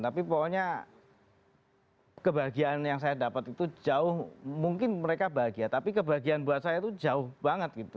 tapi pokoknya kebahagiaan yang saya dapat itu jauh mungkin mereka bahagia tapi kebahagiaan buat saya itu jauh banget gitu